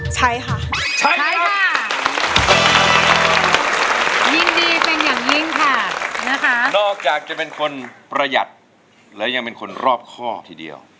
ใช้ค่ะใช้ใช้ค่ะยินดีเป็นอย่างยิ่งค่ะนะคะนอกจากจะเป็นคนประหยัดและยังเป็นคนรอบข้อทีเดียว